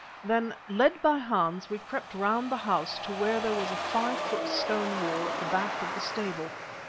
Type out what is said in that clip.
Then, led by Hans, we crept round the house to where there was a five foot stone wall at the back of the stable.